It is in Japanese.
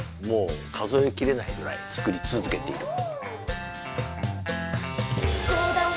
もうかぞえきれないぐらい作りつづけている。